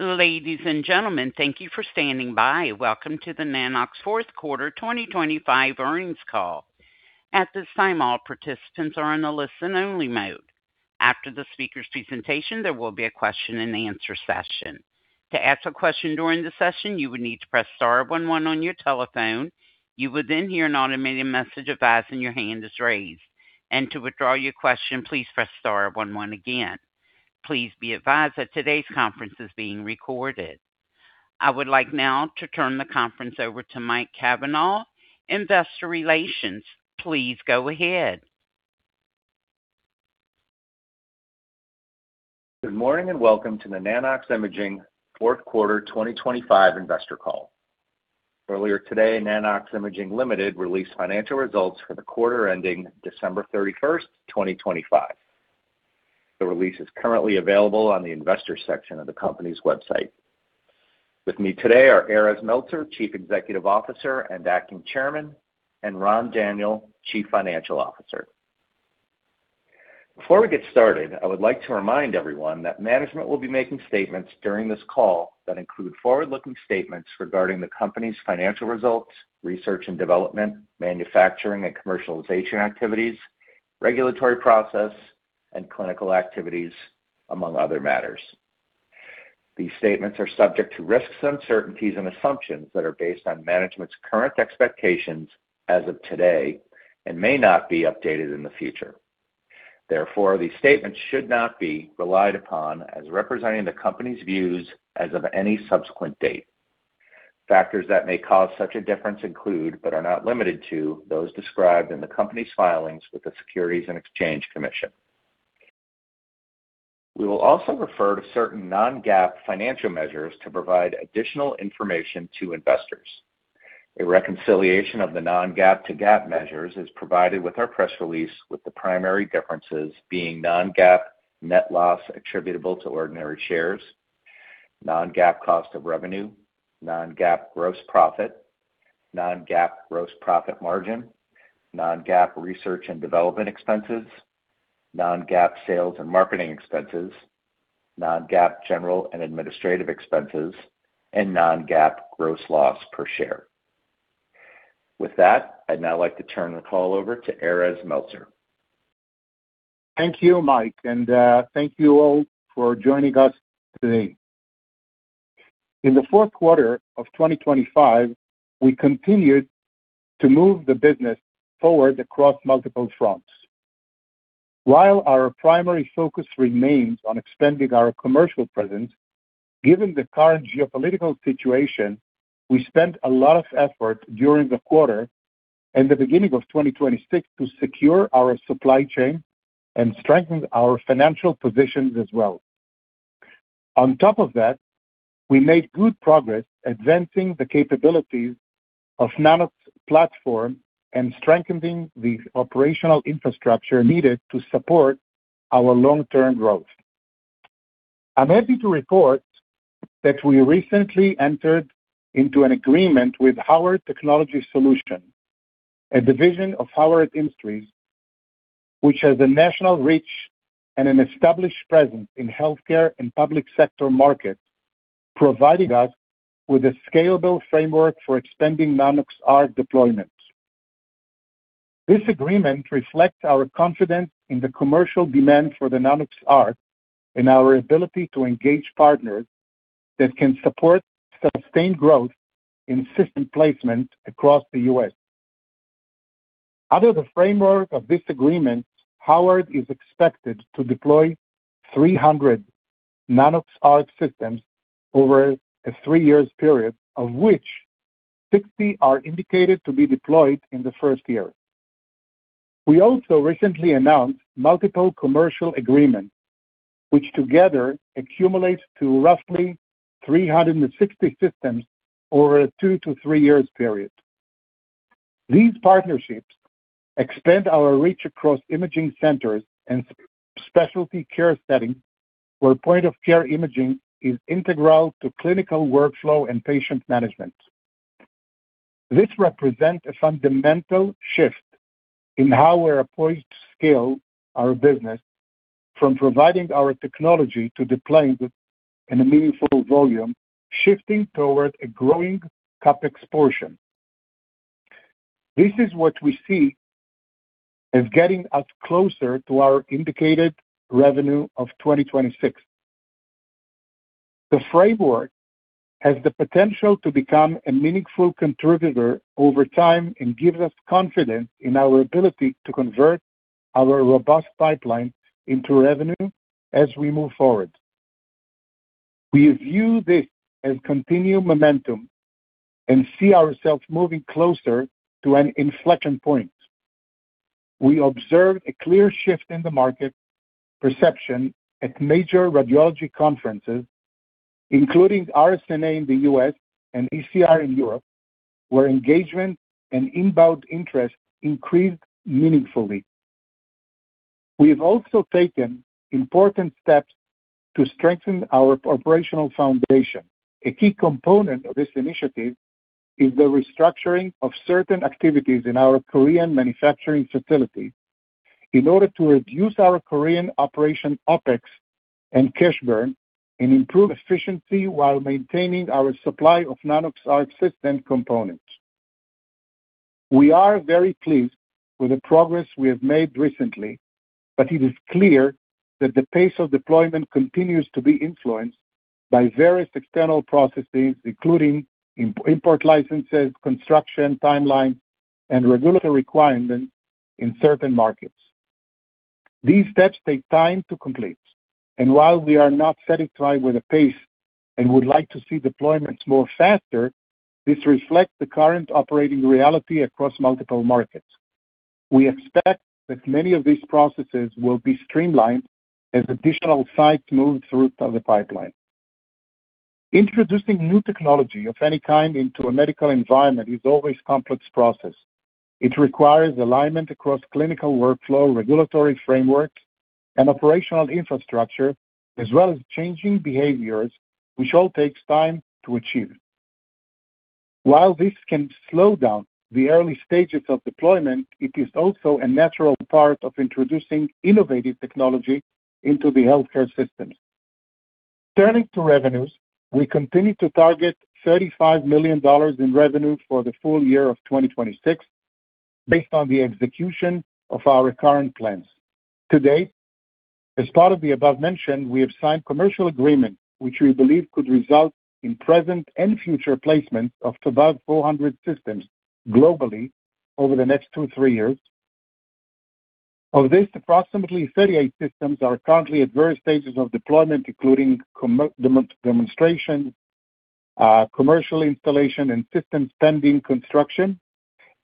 Ladies and gentlemen, thank you for standing by. Welcome to the Nanox fourth quarter 2025 earnings call. At this time, all participants are in a listen-only mode. After the speaker's presentation, there will be a question and answer session. To ask a question during the session, you would need to press star one one on your telephone. You will then hear an automated message advising your hand is raised. To withdraw your question, please press star one one again. Please be advised that today's conference is being recorded. I would like now to turn the conference over to Mike Cavanaugh, investor relations. Please go ahead. Good morning, and welcome to the Nano-X Imaging fourth quarter 2025 investor call. Earlier today, Nano-X Imaging Ltd. released financial results for the quarter ending December 31st, 2025. The release is currently available on the investors section of the company's website. With me today are Erez Meltzer, Chief Executive Officer and Acting Chairman, and Ran Daniel, Chief Financial Officer. Before we get started, I would like to remind everyone that management will be making statements during this call that include forward-looking statements regarding the company's financial results, research and development, manufacturing and commercialization activities, regulatory process, and clinical activities, among other matters. These statements are subject to risks, uncertainties, and assumptions that are based on management's current expectations as of today and may not be updated in the future. Therefore, these statements should not be relied upon as representing the company's views as of any subsequent date. Factors that may cause such a difference include, but are not limited to, those described in the company's filings with the Securities and Exchange Commission. We will also refer to certain non-GAAP financial measures to provide additional information to investors. A reconciliation of the non-GAAP to GAAP measures is provided with our press release, with the primary differences being non-GAAP net loss attributable to ordinary shares, non-GAAP cost of revenue, non-GAAP gross profit, non-GAAP gross profit margin, non-GAAP research and development expenses, non-GAAP sales and marketing expenses, non-GAAP general and administrative expenses, and non-GAAP gross loss per share. With that, I'd now like to turn the call over to Erez Meltzer. Thank you, Mike, and thank you all for joining us today. In the fourth quarter of 2025, we continued to move the business forward across multiple fronts. While our primary focus remains on expanding our commercial presence, given the current geopolitical situation, we spent a lot of effort during the quarter and the beginning of 2026 to secure our supply chain and strengthen our financial positions as well. On top of that, we made good progress advancing the capabilities of Nanox platform and strengthening the operational infrastructure needed to support our long-term growth. I'm happy to report that we recently entered into an agreement with Howard Technology Solutions, a division of Howard Industries, which has a national reach and an established presence in healthcare and public sector markets, providing us with a scalable framework for expanding Nanox.ARC deployments. This agreement reflects our confidence in the commercial demand for the Nanox.ARC and our ability to engage partners that can support sustained growth in system placement across the U.S. Under the framework of this agreement, Howard is expected to deploy 300 Nanox.ARC systems over a three-year period, of which 60 are indicated to be deployed in the first year. We also recently announced multiple commercial agreements, which together accumulate to roughly 360 systems over a two- to three-year period. These partnerships expand our reach across imaging centers and specialty care settings where point-of-care imaging is integral to clinical workflow and patient management. This represents a fundamental shift in how we're poised to scale our business from providing our technology to deploying in a meaningful volume, shifting toward a growing CapEx portion. This is what we see as getting us closer to our indicated revenue of 2026. The framework has the potential to become a meaningful contributor over time and gives us confidence in our ability to convert our robust pipeline into revenue as we move forward. We view this as continued momentum and see ourselves moving closer to an inflection point. We observed a clear shift in the market perception at major radiology conferences, including RSNA in the U.S. and ECR in Europe, where engagement and inbound interest increased meaningfully. We have also taken important steps to strengthen our operational foundation. A key component of this initiative is the restructuring of certain activities in our Korean manufacturing facility. In order to reduce our Korean operation OpEx and cash burn, and improve efficiency while maintaining our supply of Nanox.ARC system components. We are very pleased with the progress we have made recently, but it is clear that the pace of deployment continues to be influenced by various external processes, including import licenses, construction timeline, and regulatory requirements in certain markets. These steps take time to complete, and while we are not satisfied with the pace and would like to see deployments more faster, this reflects the current operating reality across multiple markets. We expect that many of these processes will be streamlined as additional sites move through the pipeline. Introducing new technology of any kind into a medical environment is always a complex process. It requires alignment across clinical workflow, regulatory frameworks, and operational infrastructure, as well as changing behaviors, which all takes time to achieve. While this can slow down the early stages of deployment, it is also a natural part of introducing innovative technology into the healthcare system. Turning to revenues, we continue to target $35 million in revenue for the full year of 2026, based on the execution of our current plans. Today, as part of the above-mentioned, we have signed a commercial agreement, which we believe could result in present and future placements of about 400 systems globally over the next two to three years. Of this, approximately 38 systems are currently at various stages of deployment, including demonstration, commercial installation, and systems pending construction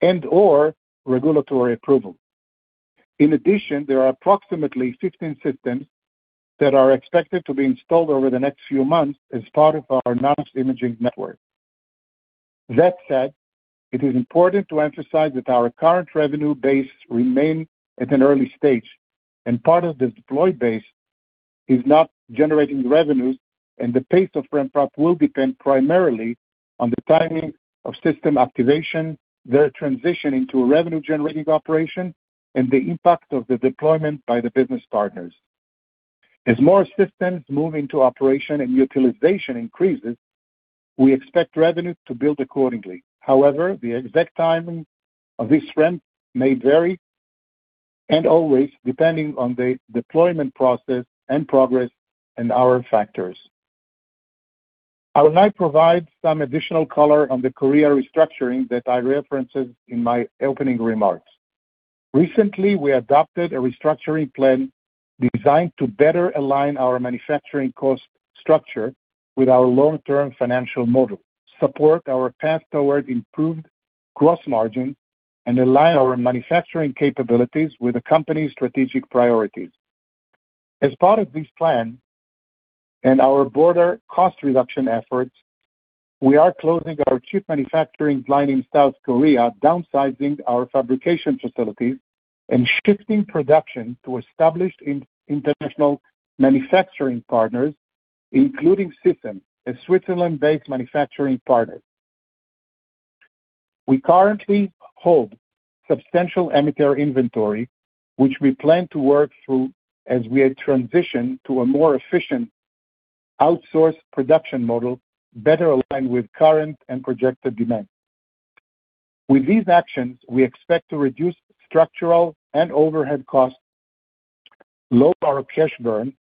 and/or regulatory approval. In addition, there are approximately 15 systems that are expected to be installed over the next few months as part of our Nanox Imaging Network. That said, it is important to emphasize that our current revenue base remains at an early stage, and part of the deployed base is not generating revenues, and the pace of ramp-up will depend primarily on the timing of system activation, their transition into a revenue-generating operation, and the impact of the deployment by the business partners. As more systems move into operation and utilization increases, we expect revenues to build accordingly. However, the exact timing of this ramp may vary, and always depending on the deployment process and progress and other factors. I would like to provide some additional color on the capital restructuring that I referenced in my opening remarks. Recently, we adopted a restructuring plan designed to better align our manufacturing cost structure with our long-term financial model, support our path towards improved gross margin, and align our manufacturing capabilities with the company's strategic priorities. As part of this plan and our broader cost reduction efforts, we are closing our chip manufacturing line in South Korea, downsizing our fabrication facilities, and shifting production to established international manufacturing partners, including CSEM, a Switzerland-based manufacturing partner. We currently hold substantial emitter inventory, which we plan to work through as we transition to a more efficient outsourced production model, better aligned with current and projected demand. With these actions, we expect to reduce structural and overhead costs, lower our cash burn,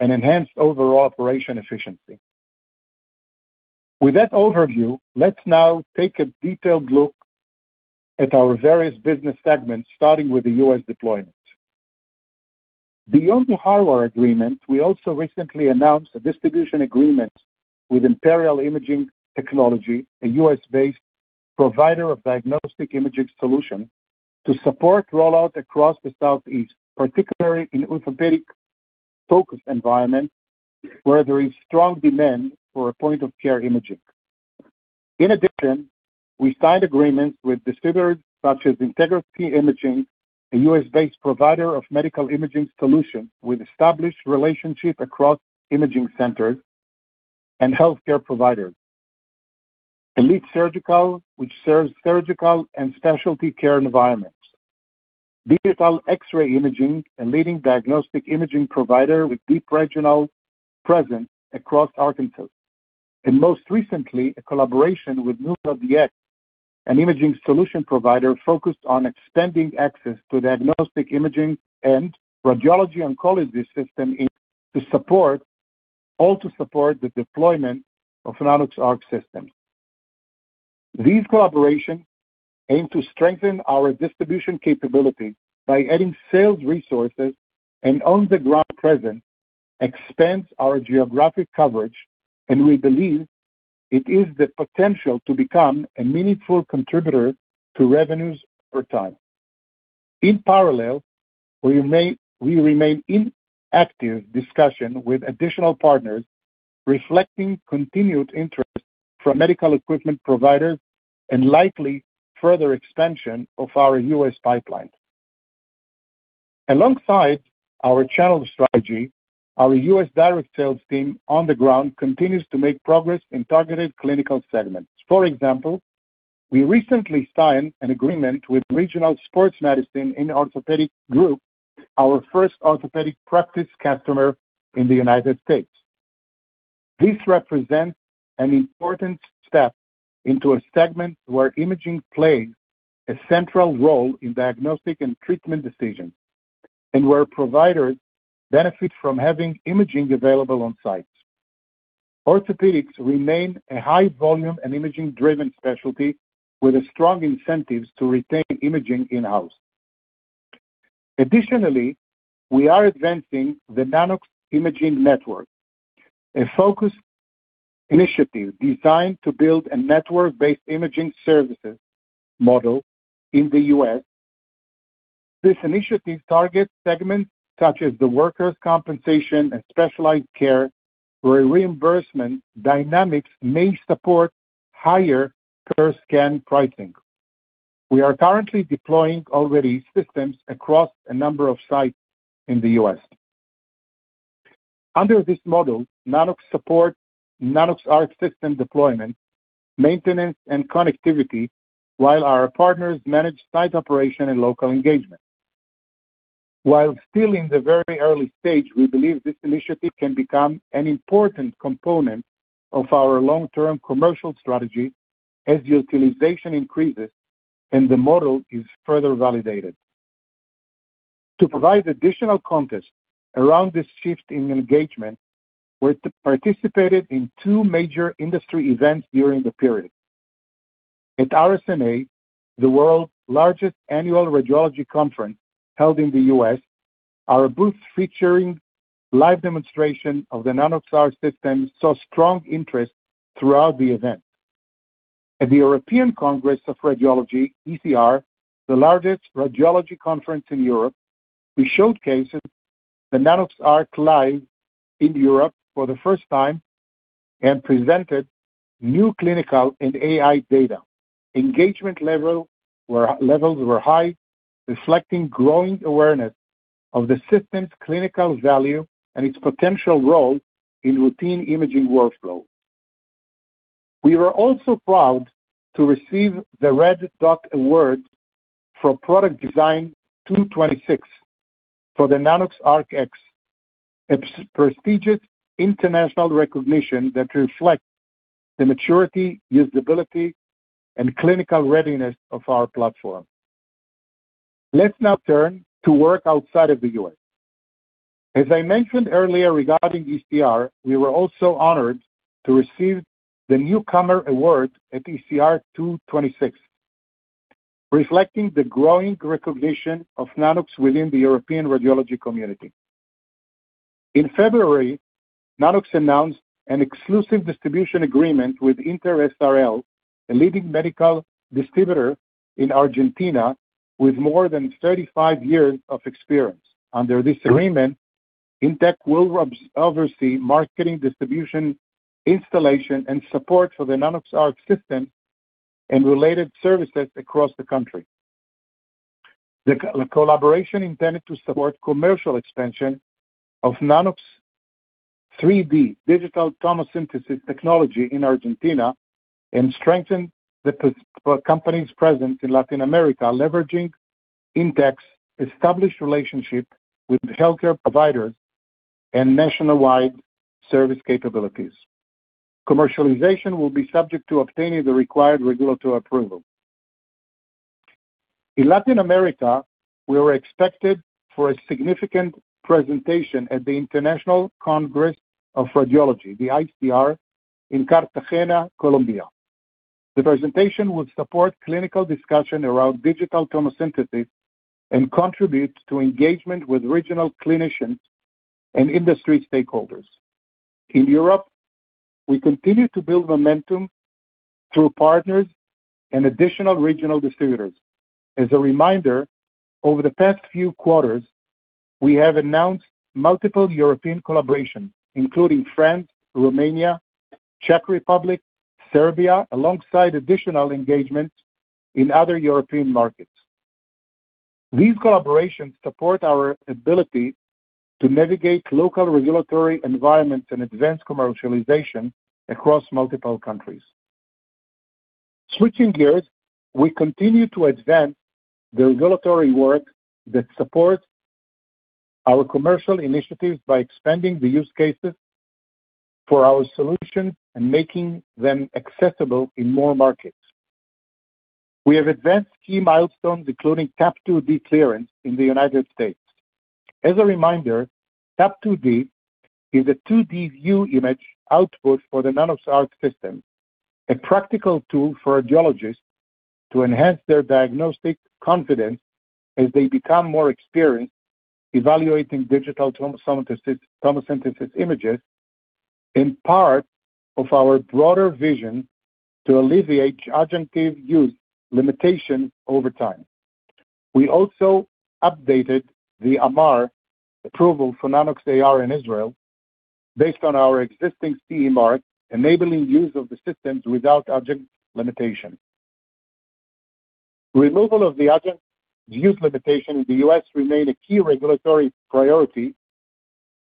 and enhance overall operational efficiency. With that overview, let's now take a detailed look at our various business segments, starting with the U.S. deployment. Beyond the hardware agreement, we also recently announced a distribution agreement with Imperial Imaging Technology, a U.S.-based provider of diagnostic imaging solution, to support rollout across the Southeast, particularly in orthopedic-focused environment where there is strong demand for point-of-care imaging. In addition, we signed agreements with distributors such as Integrity Medical Service Inc., a U.S.-based provider of medical imaging solutions with established relationships across imaging centers and healthcare providers. Elite Surgical Technologies, which serves surgical and specialty care environments. Digital X-Ray Imaging, a leading diagnostic imaging provider with deep regional presence across Arkansas. Most recently, a collaboration with NewRx, an imaging solution provider focused on expanding access to diagnostic imaging and radiology oncology system, all to support the deployment of Nanox.ARC systems. These collaborations aim to strengthen our distribution capability by adding sales resources and on-the-ground presence, expands our geographic coverage, and we believe it has the potential to become a meaningful contributor to revenues over time. In parallel, we remain in active discussion with additional partners, reflecting continued interest from medical equipment providers and likely further expansion of our U.S. pipeline. Alongside our channel strategy, our U.S. direct sales team on the ground continues to make progress in targeted clinical segments. For example, we recently signed an agreement with Regional Sports Medicine and Orthopedic Group, our first orthopedic practice customer in the United States. This represents an important step into a segment where imaging plays a central role in diagnostic and treatment decisions, and where providers benefit from having imaging available on site. orthopedics remain a high volume and imaging-driven specialty with strong incentives to retain imaging in-house. Additionally, we are advancing the Nanox Imaging Network, a focused initiative designed to build a network-based imaging services model in the U.S. This initiative targets segments such as workers' compensation and specialized care, where reimbursement dynamics may support higher per-scan pricing. We are currently deploying systems already across a number of sites in the U.S. Under this model, Nanox supports Nanox.ARC system deployment, maintenance, and connectivity while our partners manage site operation and local engagement. While still in the very early stage, we believe this initiative can become an important component of our long-term commercial strategy as utilization increases and the model is further validated. To provide additional context around this shift in engagement, we participated in two major industry events during the period. At RSNA, the world's largest annual radiology conference held in the U.S., our booth featuring live demonstration of the Nanox.ARC system saw strong interest throughout the event. At the European Congress of Radiology, ECR, the largest radiology conference in Europe, we showcased the Nanox.ARC live in Europe for the first time and presented new clinical and AI data. Engagement levels were high, reflecting growing awareness of the system's clinical value and its potential role in routine imaging workflows. We were also proud to receive the Red Dot Award for Product Design 2026 for the Nanox.ARC X, a prestigious international recognition that reflects the maturity, usability, and clinical readiness of our platform. Let's now turn to work outside of the U.S. As I mentioned earlier regarding ECR, we were also honored to receive the Newcomer Award at ECR 2026, reflecting the growing recognition of Nanox within the European radiology community. In February, Nanox announced an exclusive distribution agreement with Intec SRL, a leading medical distributor in Argentina with more than 35 years of experience. Under this agreement, Intec will oversee marketing, distribution, installation, and support for the Nanox.ARC system and related services across the country. The collaboration intended to support commercial expansion of Nanox.3D digital tomosynthesis technology in Argentina and strengthen the company's presence in Latin America, leveraging Intec's established relationship with healthcare providers and nationwide service capabilities. Commercialization will be subject to obtaining the required regulatory approval. In Latin America, we are expecting a significant presentation at the International Congress of Radiology, the ICR, in Cartagena, Colombia. The presentation will support clinical discussion around digital tomosynthesis and contribute to engagement with regional clinicians and industry stakeholders. In Europe, we continue to build momentum through partners and additional regional distributors. As a reminder, over the past few quarters, we have announced multiple European collaborations, including France, Romania, Czech Republic, Serbia, alongside additional engagements in other European markets. These collaborations support our ability to navigate local regulatory environments and advance commercialization across multiple countries. Switching gears, we continue to advance the regulatory work that supports our commercial initiatives by expanding the use cases for our solutions and making them accessible in more markets. We have advanced key milestones, including TAP2D clearance in the United States. As a reminder, TAP2D is a 2D view image output for the Nanox.ARC system, a practical tool for radiologists to enhance their diagnostic confidence as they become more experienced evaluating digital tomosynthesis images, as part of our broader vision to alleviate adjunctive use limitations over time. We also updated the AMAR approval for Nanox.AI in Israel based on our existing CE Mark, enabling use of the systems without adjunctive limitations. Removal of the adjunctive use limitation in the U.S. remains a key regulatory priority.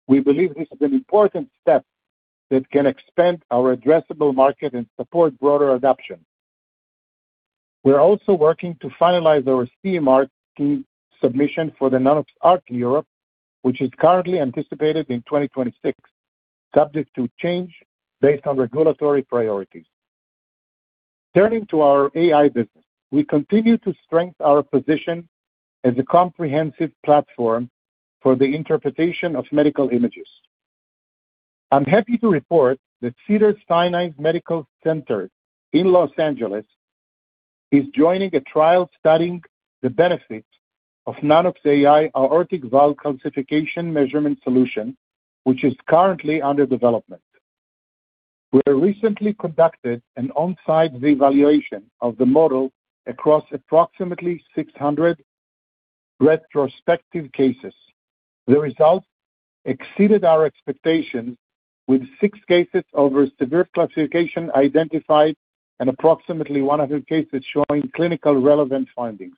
We believe this is an important step that can expand our addressable market and support broader adoption. We're also working to finalize our MDR submission for the Nanox.ARC in Europe, which is currently anticipated in 2026, subject to change based on regulatory priorities. Turning to our AI business, we continue to strengthen our position as a comprehensive platform for the interpretation of medical images. I'm happy to report that Cedars-Sinai Medical Center in Los Angeles is joining a trial studying the benefits of Nanox.AI aortic valve calcification measurement solution, which is currently under development. We recently conducted an on-site evaluation of the model across approximately 600 retrospective cases. The results exceeded our expectations, with six cases of severe calcification identified and approximately 100 cases showing clinically relevant findings.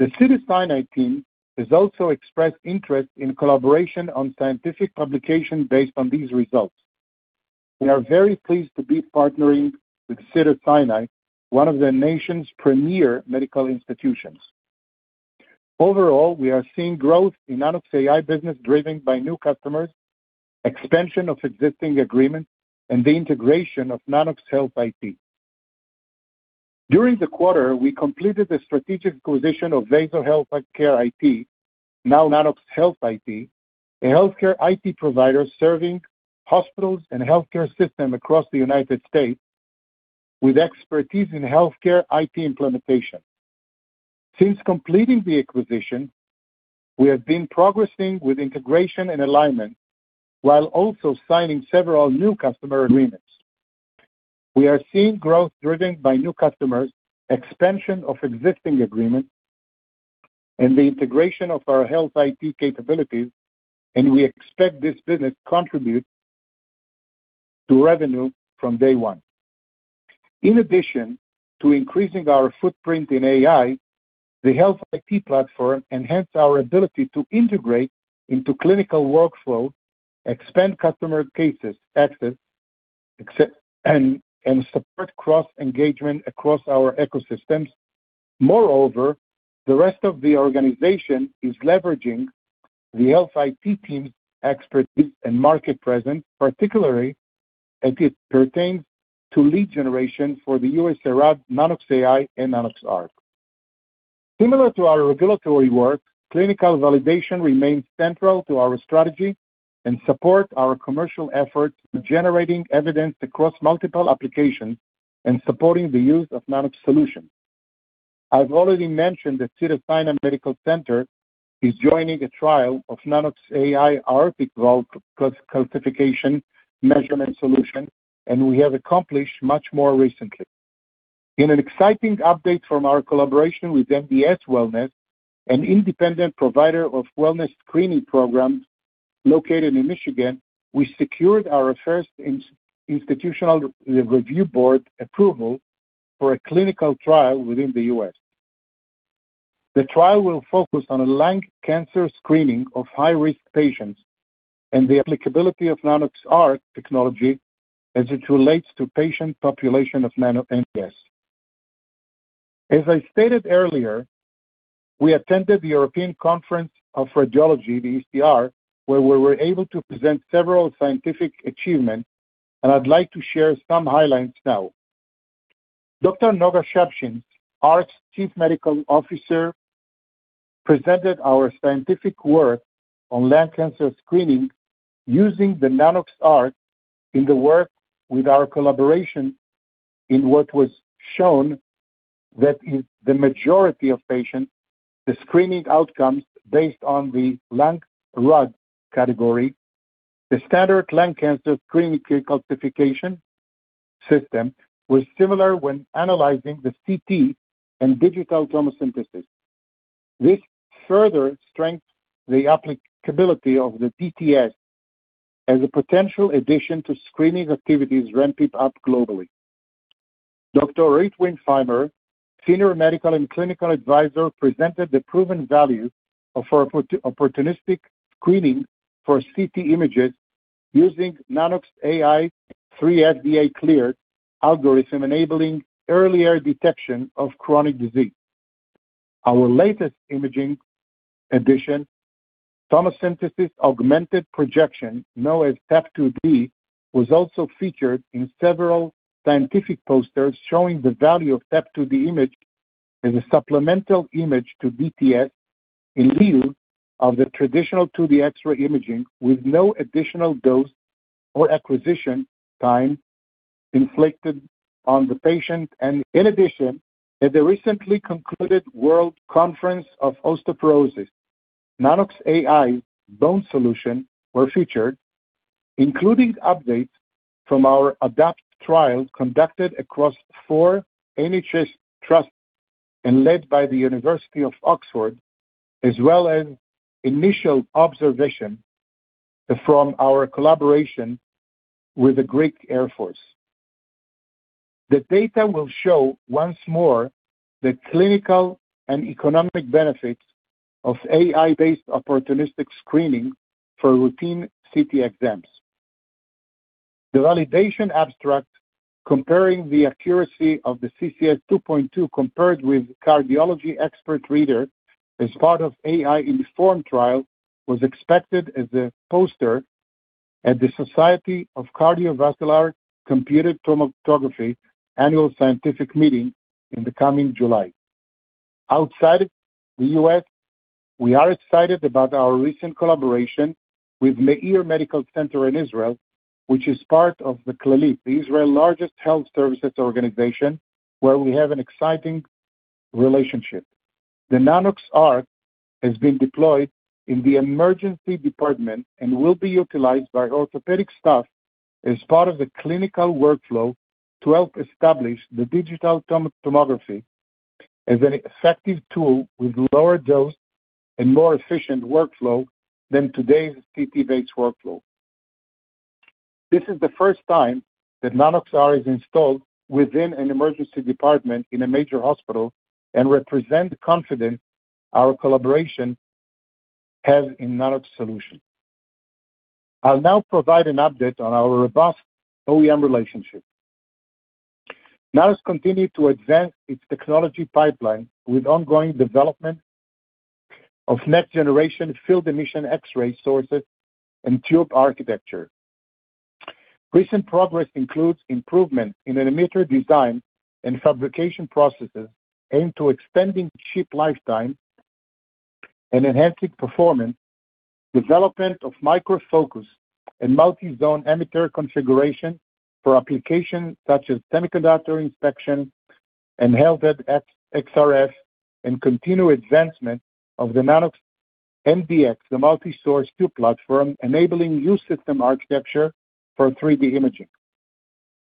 The Cedars-Sinai team has also expressed interest in collaboration on scientific publication based on these results. We are very pleased to be partnering with Cedars-Sinai, one of the nation's premier medical institutions. Overall, we are seeing growth in Nanox.AI business driven by new customers, expansion of existing agreements, and the integration of Nanox Health IT. During the quarter, we completed the strategic acquisition of Vaso Healthcare IT, now Nanox Health IT, a healthcare IT provider serving hospitals and healthcare systems across the United States with expertise in healthcare IT implementation. Since completing the acquisition, we have been progressing with integration and alignment while also signing several new customer agreements. We are seeing growth driven by new customers, expansion of existing agreements, and the integration of our health IT capabilities, and we expect this business contribute to revenue from day one. In addition to increasing our footprint in AI, the health IT platform enhance our ability to integrate into clinical workflow, expand customer cases access, and support cross-engagement across our ecosystems. Moreover, the rest of the organization is leveraging the health IT team's expertise and market presence, particularly as it pertains to lead generation for USARAD, Nanox.AI, and Nanox.ARC. Similar to our regulatory work, clinical validation remains central to our strategy and support our commercial efforts to generating evidence across multiple applications and supporting the use of Nanox solutions. I've already mentioned that Cedars-Sinai Medical Center is joining a trial of Nanox.AI aortic valve calcification measurement solution, and we have accomplished much more recently. In an exciting update from our collaboration with MBS Health & Wellness Clinic, an independent provider of wellness screening programs located in Michigan, we secured our first institutional review board approval for a clinical trial within the U.S. The trial will focus on lung cancer screening of high-risk patients and the applicability of Nanox.ARC technology as it relates to patient population of MBS. As I stated earlier, we attended the European Congress of Radiology, the ECR, where we were able to present several scientific achievements, and I'd like to share some highlights now. Dr. Noga Shabshin, ARC's Chief Medical Officer, presented our scientific work on lung cancer screening using the Nanox.ARC in our work with our collaborators, in which it was shown that in the majority of patients, the screening outcomes based on the Lung-RADS category, the standard lung cancer screening classification system, was similar when analyzing the CT and digital tomosynthesis. This further strengthens the applicability of the DTS as a potential addition to screening activities ramped up globally. Dr. Orit Wimpfheimer, Senior Medical and Clinical Advisor, presented the proven value of opportunistic screening for CT images using Nanox.AI, three FDA-cleared algorithms, enabling earlier detection of chronic disease. Our latest imaging addition, tomosynthesis augmented projection, known as TAP2D, was also featured in several scientific posters showing the value of TAP2D image as a supplemental image to DTS in lieu of the traditional 2D X-ray imaging with no additional dose or acquisition time inflicted on the patient. In addition, at the recently concluded World Congress on Osteoporosis, Osteoarthritis and Musculoskeletal Diseases, Nanox.AI bone solution were featured, including updates from our ADOPT trial conducted across four NHS trusts and led by the University of Oxford, as well as initial observations from our collaboration with the Hellenic Air Force. The data will show once more the clinical and economic benefits of AI-based opportunistic screening for routine CT exams. The validation abstract comparing the accuracy of the CCS 2.2 compared with cardiology expert reader as part of AI informed trial was accepted as a poster at the Society of Cardiovascular Computed Tomography Annual Scientific Meeting in the coming July. Outside of the U.S., we are excited about our recent collaboration with Meir Medical Center in Israel, which is part of the Clalit, Israel's largest health services organization, where we have an exciting relationship. The Nanox.ARC has been deployed in the emergency department and will be utilized by orthopedic staff as part of the clinical workflow to help establish the digital tomosynthesis as an effective tool with lower dose and more efficient workflow than today's CT-based workflow. This is the first time that Nanox.ARC is installed within an emergency department in a major hospital and represent confidence our collaboration has in Nanox solution. I'll now provide an update on our robust OEM relationship. Nanox continued to advance its technology pipeline with ongoing development of next-generation field emission X-ray sources and tube architecture. Recent progress includes improvement in an emitter design and fabrication processes aimed to extending chip lifetime and enhancing performance, development of microfocus and multi-zone emitter configuration for applications such as semiconductor inspection and HealthXRS, and continued advancement of the Nanox MDX, the multi-source tube platform enabling new system architecture for 3D imaging.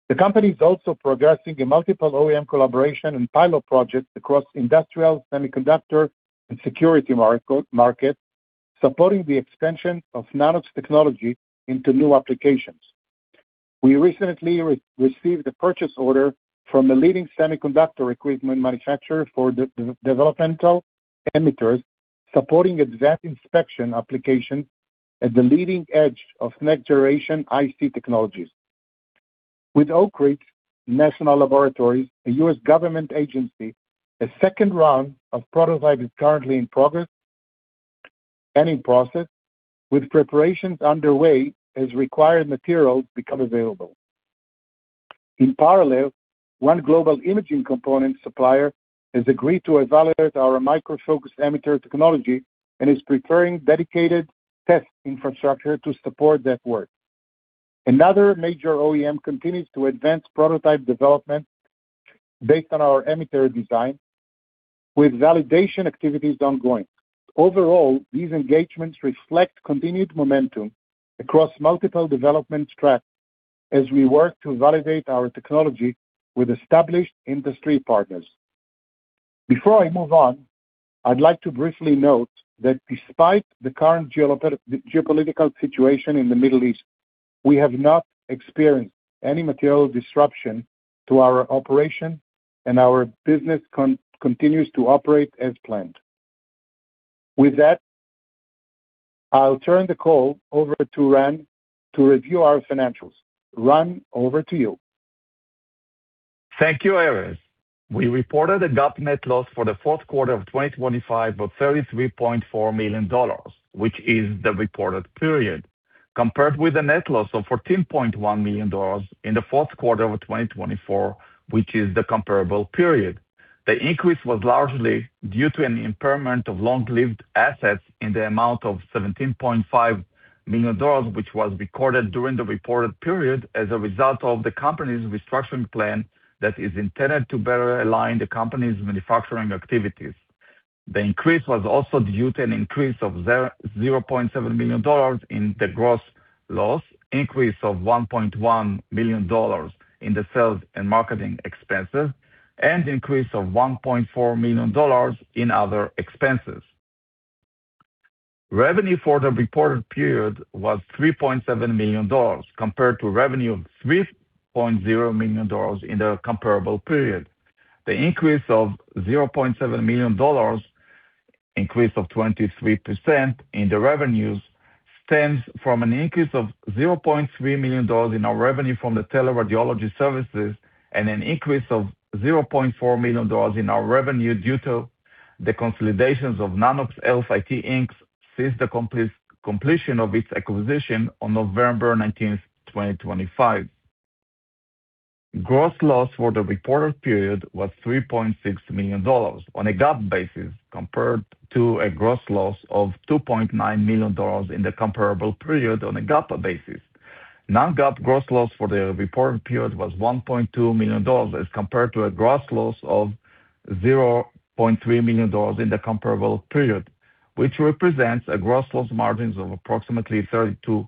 The company is also progressing in multiple OEM collaboration and pilot projects across industrial, semiconductor, and security markets, supporting the expansion of Nanox technology into new applications. We recently received a purchase order from a leading semiconductor equipment manufacturer for developmental emitters, supporting exact inspection application at the leading edge of next-generation IC technologies. With Oak Ridge National Laboratory, a U.S. government agency, a second round of prototype is currently in progress and in process with preparations underway as required materials become available. In parallel, one global imaging component supplier has agreed to evaluate our microfocus emitter technology and is preparing dedicated test infrastructure to support that work. Another major OEM continues to advance prototype development based on our emitter design, with validation activities ongoing. Overall, these engagements reflect continued momentum across multiple development tracks as we work to validate our technology with established industry partners. Before I move on, I'd like to briefly note that despite the current geopolitical situation in the Middle East, we have not experienced any material disruption to our operation, and our business continues to operate as planned. With that, I'll turn the call over to Ran to review our financials. Ran, over to you. Thank you, Erez. We reported a GAAP net loss for the fourth quarter of 2025 of $33.4 million, which is the reported period, compared with a net loss of $14.1 million in the fourth quarter of 2024, which is the comparable period. The increase was largely due to an impairment of long-lived assets in the amount of $17.5 million, which was recorded during the reported period as a result of the company's restructuring plan that is intended to better align the company's manufacturing activities. The increase was also due to an increase of $0.7 million in the gross loss, increase of $1.1 million in the sales and marketing expenses, and increase of $1.4 million in other expenses. Revenue for the reported period was $3.7 million, compared to revenue of $3.0 million in the comparable period. The increase of $0.7 million, increase of 23% in the revenues, stems from an increase of $0.3 million in our revenue from the teleradiology services and an increase of $0.4 million in our revenue due to the consolidations of Nanox Health IT Inc. since the completion of its acquisition on November 19th, 2025. Gross loss for the reported period was $3.6 million on a GAAP basis, compared to a gross loss of $2.9 million in the comparable period on a GAAP basis. Non-GAAP gross loss for the reported period was $1.2 million as compared to a gross loss of $0.3 million in the comparable period, which represents a gross loss margins of approximately 32%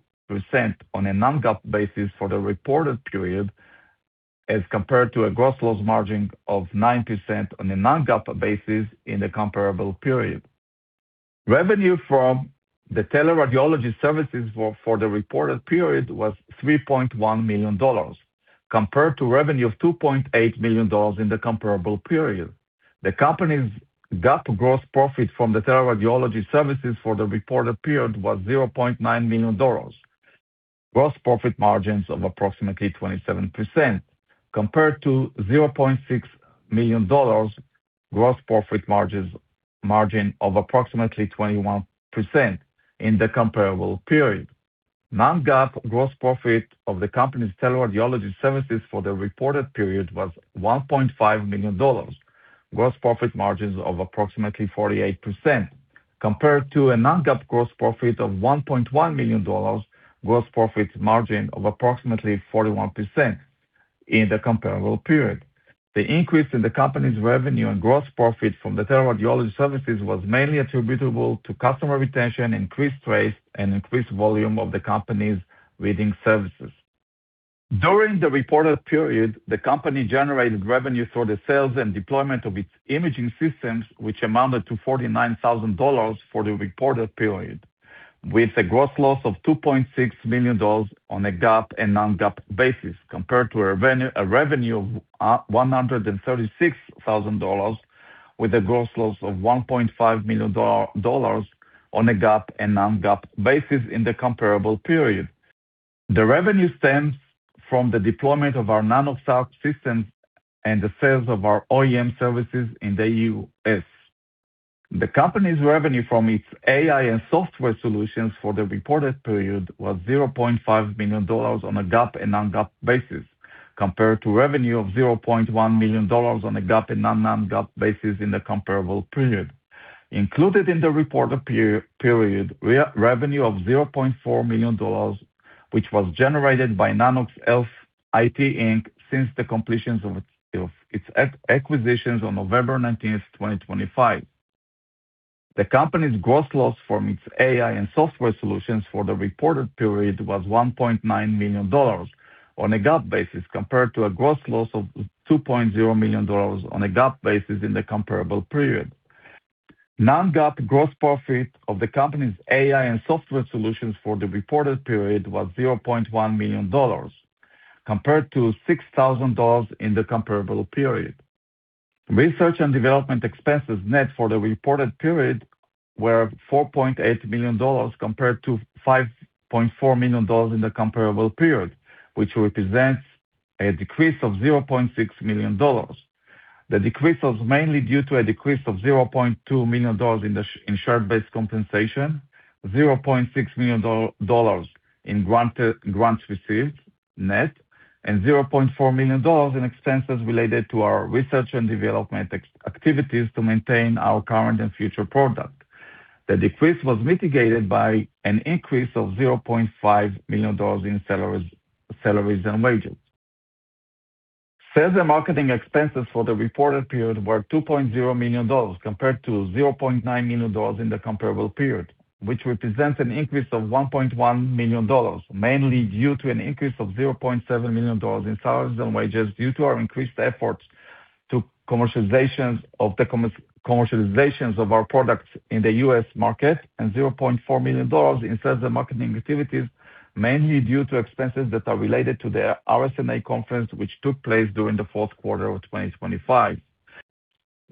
on a non-GAAP basis for the reported period. As compared to a gross loss margin of 9% on a non-GAAP basis in the comparable period. Revenue from the teleradiology services for the reported period was $3.1 million, compared to revenue of $2.8 million in the comparable period. The company's GAAP gross profit from the teleradiology services for the reported period was $0.9 million, gross profit margins of approximately 27%, compared to $0.6 million, gross profit margin of approximately 21% in the comparable period. Non-GAAP gross profit of the company's teleradiology services for the reported period was $1.5 million, gross profit margins of approximately 48%, compared to a non-GAAP gross profit of $1.1 million, gross profit margin of approximately 41% in the comparable period. The increase in the company's revenue and gross profit from the teleradiology services was mainly attributable to customer retention, increased rates, and increased volume of the company's reading services. During the reported period, the company generated revenue through the sales and deployment of its imaging systems, which amounted to $49,000 for the reported period, with a gross loss of $2.6 million on a GAAP and non-GAAP basis, compared to a revenue of $136,000, with a gross loss of $1.5 million on a GAAP and non-GAAP basis in the comparable period. The revenue stems from the deployment of our Nanox Health systems and the sales of our OEM services in the U.S. The company's revenue from its AI and software solutions for the reported period was $0.5 million on a GAAP and non-GAAP basis, compared to revenue of $0.1 million on a GAAP and non-GAAP basis in the comparable period. Included in the reported period is revenue of $0.4 million, which was generated by Nanox Health IT Inc. since the completions of its acquisitions on November 19th, 2025. The company's gross loss from its AI and software solutions for the reported period was $1.9 million on a GAAP basis, compared to a gross loss of $2.0 million on a GAAP basis in the comparable period. Non-GAAP gross profit of the company's AI and software solutions for the reported period was $0.1 million, compared to $6,000 in the comparable period. Research and development expenses net for the reported period were $4.8 million, compared to $5.4 million in the comparable period, which represents a decrease of $0.6 million. The decrease was mainly due to a decrease of $0.2 million in share-based compensation, $0.6 million in grants received net, and $0.4 million in expenses related to our research and development activities to maintain our current and future product. The decrease was mitigated by an increase of $0.5 million in salaries and wages. Sales and marketing expenses for the reported period were $2.0 million, compared to $0.9 million in the comparable period, which represents an increase of $1.1 million, mainly due to an increase of $0.7 million in salaries and wages due to our increased efforts to commercialization of our products in the U.S. market, and $0.4 million in sales and marketing activities, mainly due to expenses that are related to the RSNA conference, which took place during the fourth quarter of 2025.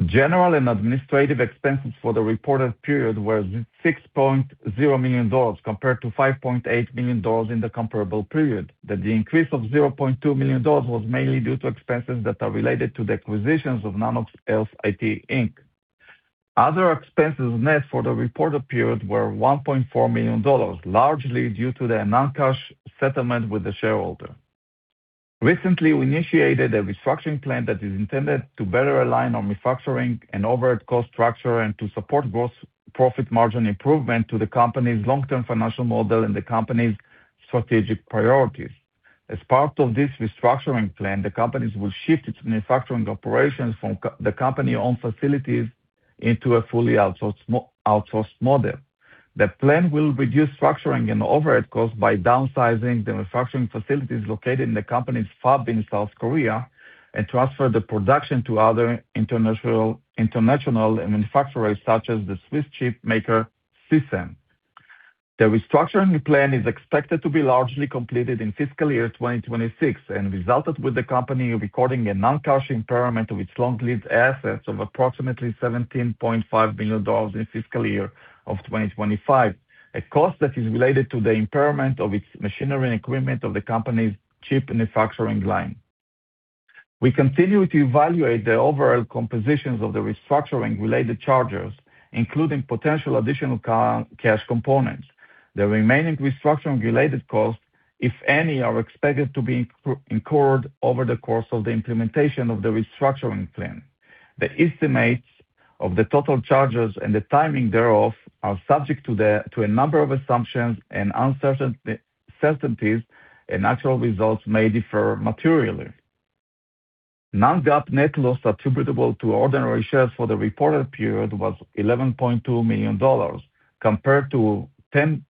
General and administrative expenses for the reported period were $6.0 million, compared to $5.8 million in the comparable period. The increase of $0.2 million was mainly due to expenses that are related to the acquisitions of Nanox Health IT Inc. Other expenses, net for the reported period were $1.4 million, largely due to the non-cash settlement with the shareholder. Recently, we initiated a restructuring plan that is intended to better align our manufacturing and overhead cost structure and to support gross profit margin improvement to the company's long-term financial model and the company's strategic priorities. As part of this restructuring plan, the company will shift its manufacturing operations from the company-owned facilities into a fully outsourced model. The plan will reduce restructuring and overhead costs by downsizing the manufacturing facilities located in the company's fab in South Korea and transfer the production to other international manufacturers such as the Swiss chip maker, CSEM. The restructuring plan is expected to be largely completed in fiscal year 2026 and resulting in the company recording a non-cash impairment of its long-lived assets of approximately $17.5 million in fiscal year 2025, a cost that is related to the impairment of its machinery and equipment of the company's chip manufacturing line. We continue to evaluate the overall compositions of the restructuring-related charges, including potential additional cash components. The remaining restructuring-related costs, if any, are expected to be incurred over the course of the implementation of the restructuring plan. The estimates of the total charges and the timing thereof are subject to a number of assumptions and uncertainties, and actual results may differ materially. Non-GAAP net loss attributable to ordinary shares for the reported period was $11.2 million, compared to $10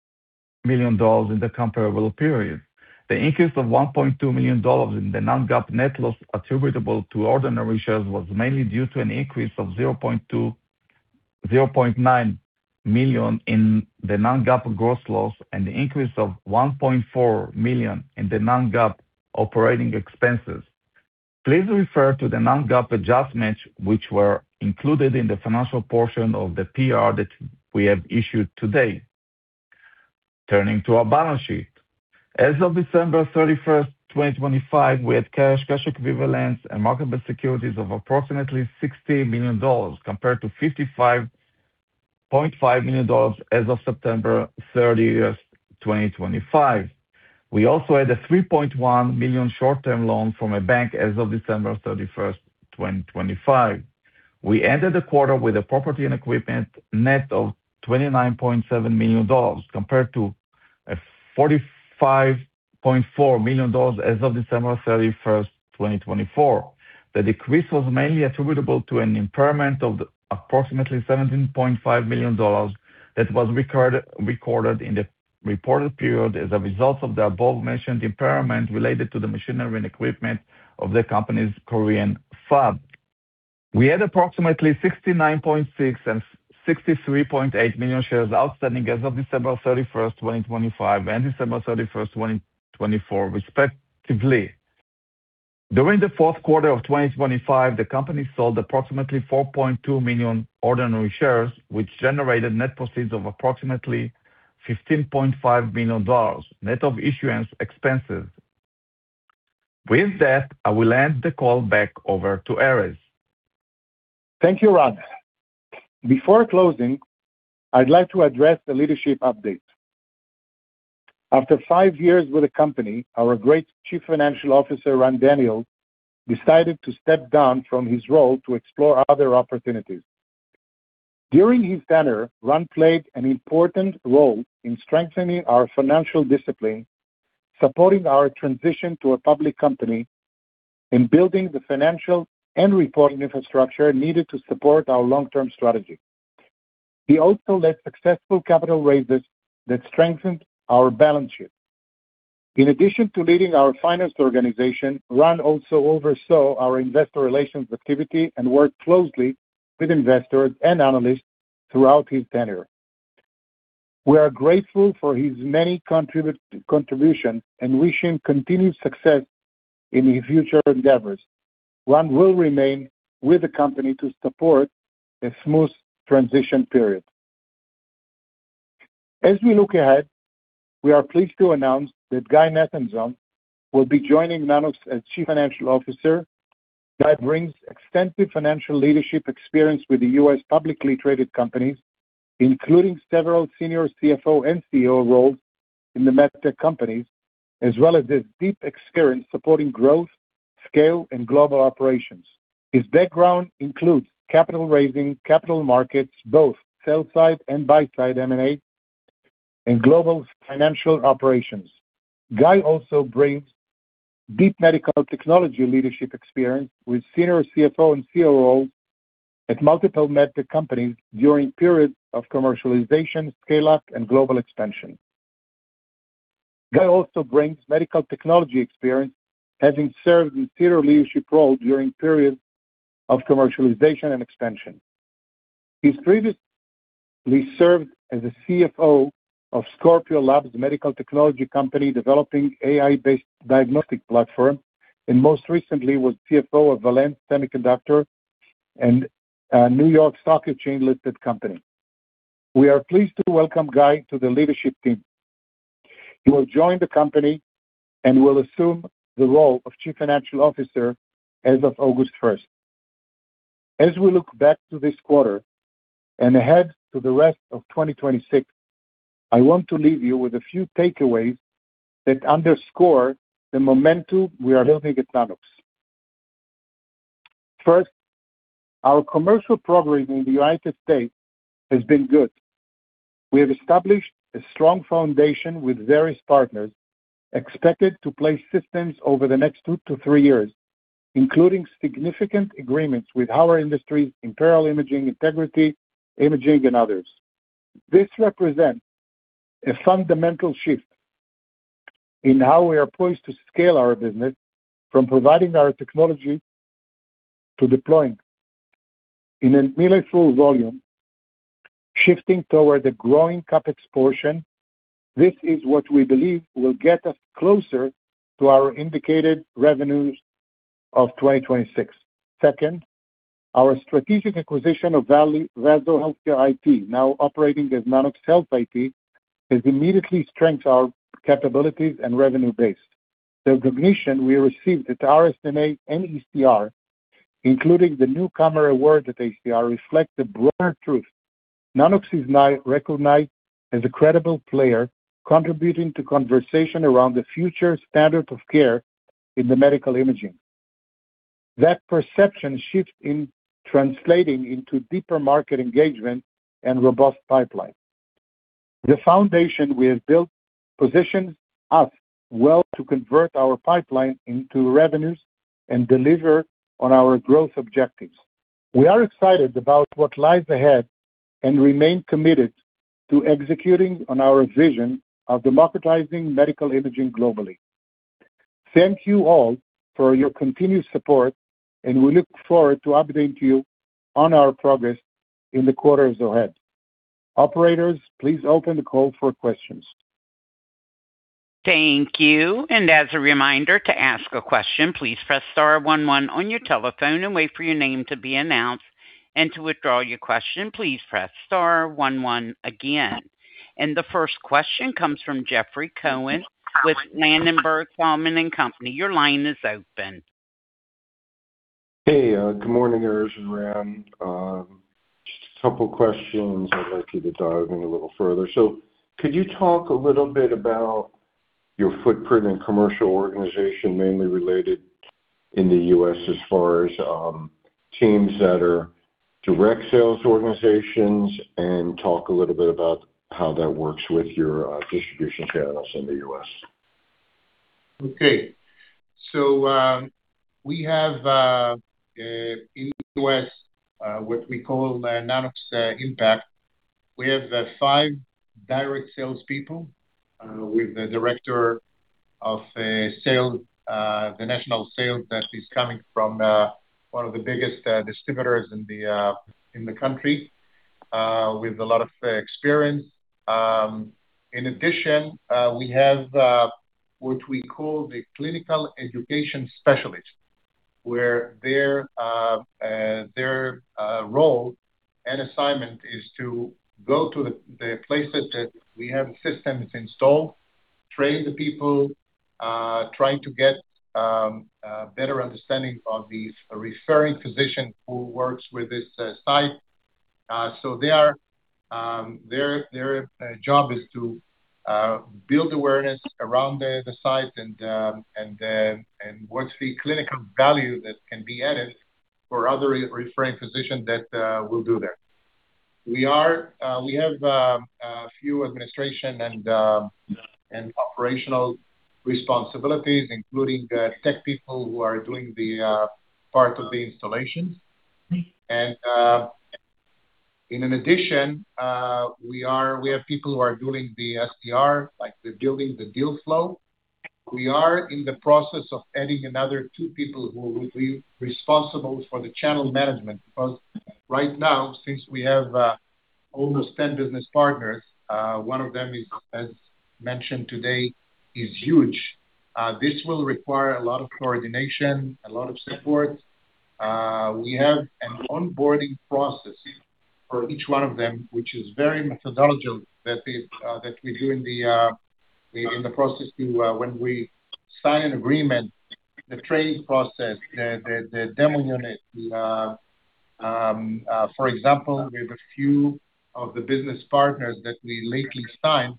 million in the comparable period. The increase of $1.2 million in the non-GAAP net loss attributable to ordinary shares was mainly due to an increase of $0.9 million in the non-GAAP gross loss and the increase of $1.4 million in the non-GAAP operating expenses. Please refer to the non-GAAP adjustments which were included in the financial portion of the PR that we have issued today. Turning to our balance sheet. As of December 31st, 2025, we had cash equivalents, and marketable securities of approximately $60 million, compared to $55.5 million as of September 30th, 2025. We also had a $3.1 million short-term loan from a bank as of December 31st, 2025. We ended the quarter with property and equipment, net of $29.7 million, compared to $45.4 million as of December 31st, 2024. The decrease was mainly attributable to an impairment of approximately $17.5 million that was recorded in the reported period as a result of the above-mentioned impairment related to the machinery and equipment of the company's Korean fab. We had approximately 69.6 and 63.8 million shares outstanding as of December 31st, 2025, and December 31st, 2024, respectively. During the fourth quarter of 2025, the company sold approximately 4.2 million ordinary shares, which generated net proceeds of approximately $15.5 million, net of issuance expenses. With that, I will hand the call back over to Erez. Thank you, Ran. Before closing, I'd like to address the leadership update. After five years with the company, our great Chief Financial Officer, Ran Daniel, decided to step down from his role to explore other opportunities. During his tenure, Ran played an important role in strengthening our financial discipline, supporting our transition to a public company, in building the financial and reporting infrastructure needed to support our long-term strategy. He also led successful capital raises that strengthened our balance sheet. In addition to leading our finance organization, Ran also oversaw our investor relations activity and worked closely with investors and analysts throughout his tenure. We are grateful for his many contributions and wish him continued success in his future endeavors. Ran will remain with the company to support a smooth transition period. As we look ahead, we are pleased to announce that Guy Nathanzon will be joining Nanox as Chief Financial Officer. Guy brings extensive financial leadership experience with the U.S. publicly traded companies, including several senior CFO and COO roles in the med tech companies, as well as his deep experience supporting growth, scale, and global operations. His background includes capital raising, capital markets, both sell-side and buy-side, M&A, and global financial operations. Guy also brings deep medical technology leadership experience with senior CFO and COO at multiple med tech companies during periods of commercialization, scale-up, and global expansion. Guy also brings medical technology experience, having served in senior leadership roles during periods of commercialization and expansion. He's previously served as a CFO of Scopio Labs, a medical technology company developing AI-based diagnostic platform, and most recently was CFO of Valens Semiconductor and a New York Stock Exchange-listed company. We are pleased to welcome Guy to the leadership team. He will join the company and will assume the role of Chief Financial Officer as of August 1st. As we look back to this quarter and ahead to the rest of 2026, I want to leave you with a few takeaways that underscore the momentum we are building at Nanox. First, our commercial progress in the United States has been good. We have established a strong foundation with various partners expected to place systems over the next two to three years, including significant agreements with Howard Industries, Imperial Imaging Technology, Integrity Medical Service Inc., and others. This represents a fundamental shift in how we are poised to scale our business from providing our technology to deploying in a meaningful volume, shifting toward a growing CapEx portion. This is what we believe will get us closer to our indicated revenues of 2026. Second, our strategic acquisition of Vaso Healthcare IT, now operating as Nanox Health IT, has immediately strengthened our capabilities and revenue base. The recognition we received at RSNA and ECR, including the Newcomer Award at ECR, reflects the broader truth. Nanox is now recognized as a credible player, contributing to conversation around the future standard of care in the medical imaging. That perception shift is translating into deeper market engagement and robust pipeline. The foundation we have built positions us well to convert our pipeline into revenues and deliver on our growth objectives. We are excited about what lies ahead and remain committed to executing on our vision of democratizing medical imaging globally. Thank you all for your continued support, and we look forward to updating you on our progress in the quarters ahead. Operators, please open the call for questions. Thank you. As a reminder, to ask a question, please press star one one on your telephone and wait for your name to be announced. To withdraw your question, please press star one one again. The first question comes from Jeffrey Cohen with Ladenburg Thalmann & Co. Inc. Your line is open. Hey, good morning, Erez and Ran. Just a couple questions I'd like you to dive in a little further. Could you talk a little bit about your footprint and commercial organization, mainly related in the U.S. as far as teams that are direct sales organizations, and talk a little bit about how that works with your distribution channels in the U.S? Okay. We have, in the U.S., what we call Nanox Impact. We have five direct salespeople with the Director of National Sales that is coming from one of the biggest distributors in the country with a lot of experience. In addition, we have, what we call the clinical education specialist, where their role and assignment is to go to the places that we have systems installed, train the people, trying to get better understanding of these referring physicians who works with this site. Their job is to build awareness around the site and what's the clinical value that can be added for other referring physicians that will do that. We have a few administrative and operational responsibilities, including tech people who are doing the part of the installations. In addition, we have people who are doing the SDR, like they're building the deal flow. We are in the process of adding another two people who will be responsible for the channel management. Because right now, since we have almost 10 business partners, one of them is, as mentioned today, is huge. This will require a lot of coordination, a lot of support. We have an onboarding process for each one of them, which is very methodological, that we do in the process to when we sign an agreement, the training process, the demo unit. For example, we have a few of the business partners that we lately signed.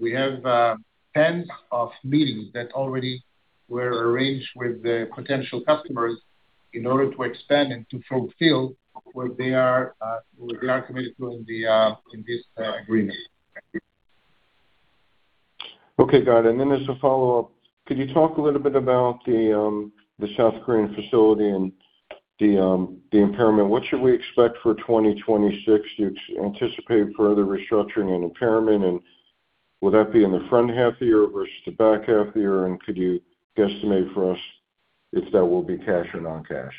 We have tens of meetings that already were arranged with the potential customers in order to expand and to fulfill what they are committed to in this agreement. Okay, got it. As a follow-up, could you talk a little bit about the South Korean facility and the impairment? What should we expect for 2026? Do you anticipate further restructuring and impairment, and will that be in the front half of the year versus the back half of the year? Could you guesstimate for us if that will be cash or non-cash?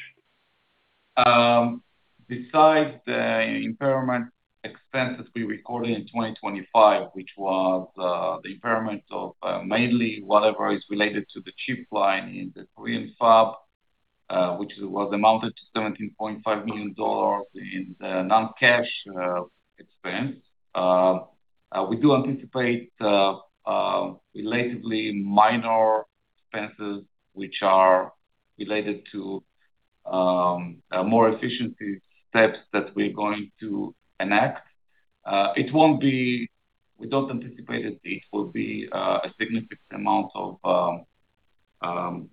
Besides the impairment expense that we recorded in 2025, which was the impairment of mainly whatever is related to the chip line in the Korean fab, which was amounted to $17.5 million in the non-cash expense. We do anticipate relatively minor expenses which are related to more efficiency steps that we're going to enact. We don't anticipate that it will be a significant amount of dollars.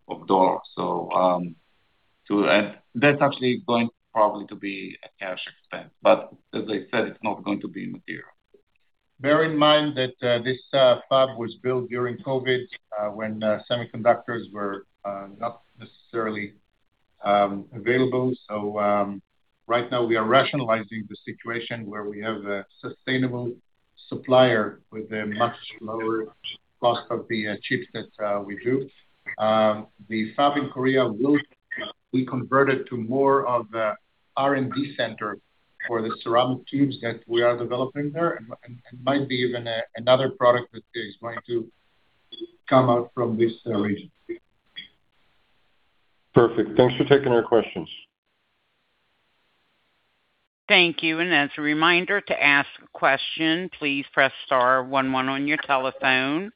That's actually going probably to be a cash expense, but as I said, it's not going to be material. Bear in mind that this fab was built during COVID, when semiconductors were not necessarily available. Right now we are rationalizing the situation where we have a sustainable supplier with a much lower cost of the chips that we do. The fab in Korea will be converted to more of a R&D center for the ceramic tubes that we are developing there and might be even another product that is going to come out from this region. Perfect. Thanks for taking our questions. Thank you. As a reminder to ask a question, please press star one one on your telephone.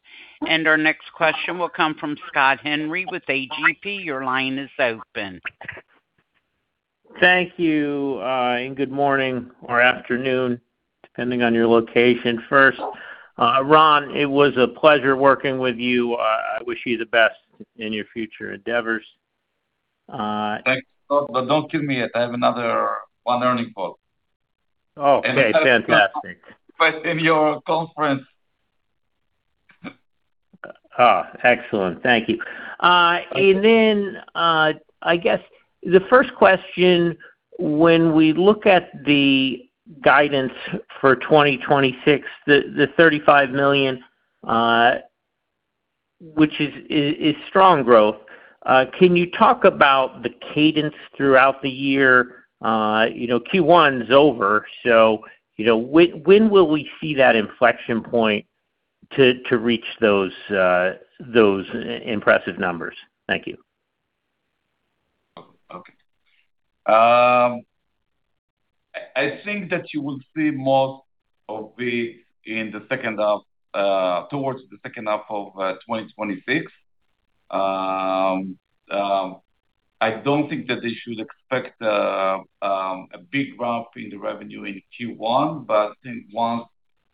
Our next question will come from Scott Henry with A.G.P. Your line is open. Thank you, and good morning or afternoon, depending on your location. First, Ran, it was a pleasure working with you. I wish you the best in your future endeavors. Thanks. Don't kill me yet. I have another earnings call. Okay, fantastic. In your conference. Excellent. Thank you. I guess the first question, when we look at the guidance for 2026, the $35 million, which is strong growth, can you talk about the cadence throughout the year? Q1 is over, so when will we see that inflection point to reach those impressive numbers? Thank you. Okay. I think that you will see most of it towards the second half of 2026. I don't think that they should expect a big ramp in the revenue in Q1, but I think once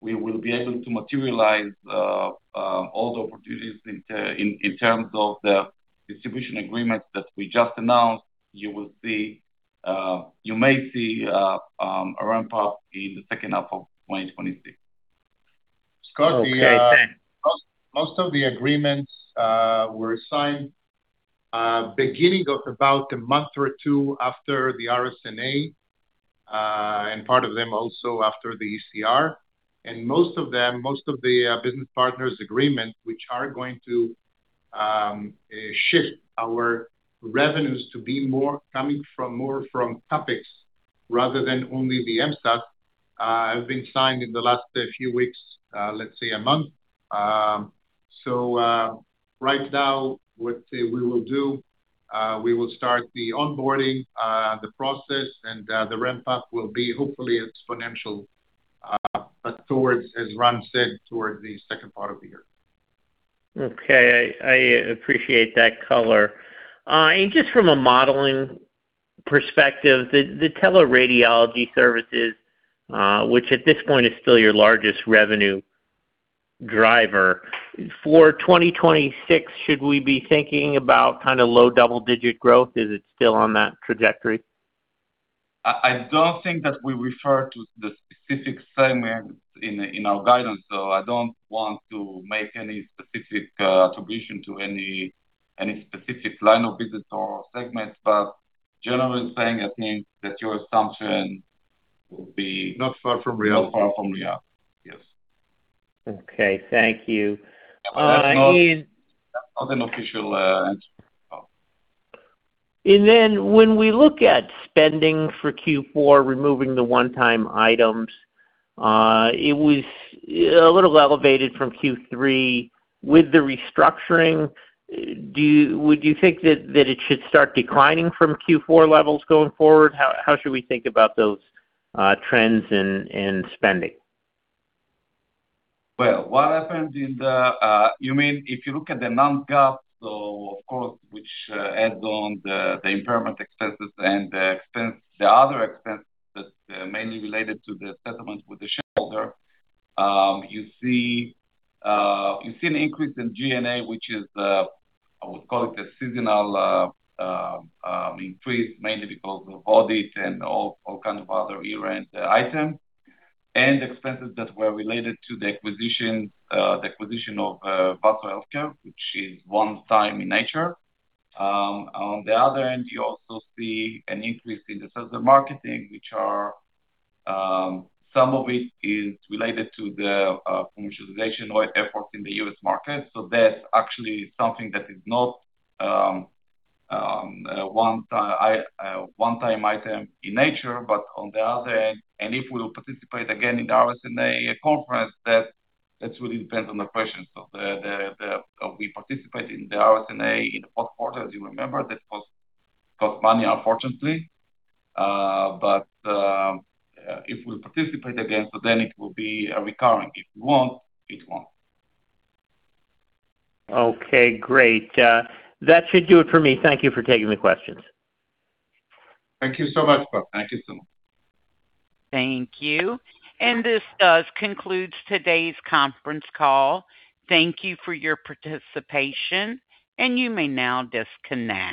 we will be able to materialize all the opportunities in terms of the distribution agreements that we just announced, you may see a ramp-up in the second half of 2026. Okay, thanks. Scott, most of the agreements were signed beginning of about a month or two after the RSNA, and part of them also after the ECR. Most of them, most of the business partners agreements, which are going to shift our revenues to be coming more from topics rather than only the USARAD, have been signed in the last few weeks, let's say a month. Right now, what we will do, we will start the onboarding the process, and the ramp-up will be hopefully exponential, but as Ran said, towards the second part of the year. Okay. I appreciate that color. Just from a modeling perspective, the teleradiology services, which at this point is still your largest revenue driver. For 2026, should we be thinking about low double-digit growth? Is it still on that trajectory? I don't think that we refer to the specific segment in our guidance, so I don't want to make any specific attribution to any specific line of business or segment. Generally saying, I think that your assumption will be- Not far from real. Not far from real. Yes. Okay. Thank you. That's not an official answer. When we look at spending for Q4, removing the one-time items, it was a little elevated from Q3. With the restructuring, would you think that it should start declining from Q4 levels going forward? How should we think about those trends in spending? You mean, if you look at the non-GAAP, of course, which adds on the impairment expenses and the other expenses mainly related to the settlement with the shareholder. You see an increase in G&A, which is, I would call it, a seasonal increase mainly because of audit and all kind of other items, and expenses that were related to the acquisition of Vaso Healthcare, which is one-time in nature. On the other hand, you also see an increase in the sales and marketing, which are, some of it is related to the commercialization-wide efforts in the U.S. market. That's actually something that is not one-time item in nature, but on the other hand, and if we will participate again in the RSNA conference, that really depends on the questions of the. We participate in the RSNA in the fourth quarter. As you remember, that cost money, unfortunately. If we participate again, so then it will be recurring. If we won't, it won't. Okay, great. That should do it for me. Thank you for taking the questions. Thank you so much. Thank you so much. Thank you. This does conclude today's conference call. Thank you for your participation, and you may now disconnect.